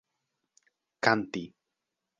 kanti